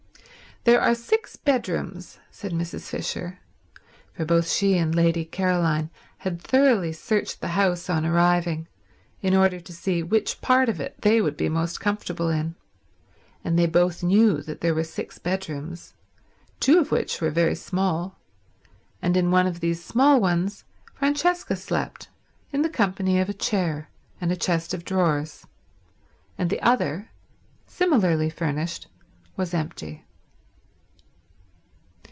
"There are six bedrooms," said Mrs. Fisher; for both she and Lady Caroline had thoroughly searched the house on arriving, in order to see which part of it they would be most comfortable in, and they both knew that there were six bedrooms, two of which were very small, and in one of these small ones Francesca slept in the company of a chair and a chest of drawers, and the other, similarly furnished, was empty.